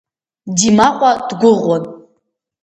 Димаҟәа дгәыӷуан.